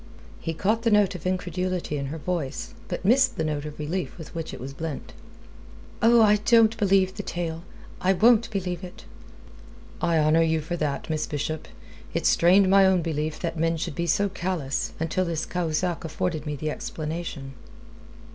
He caught the note of incredulity in her voice, but missed the note of relief with which it was blent. "Oh, I don't believe the tale. I won't believe it!" "I honour you for that, Miss Bishop. It strained my own belief that men should be so callous, until this Cahusac afforded me the explanation."